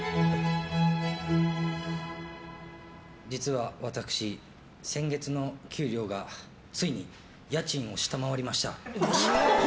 実は私、先月の給料がついに家賃を下回りました。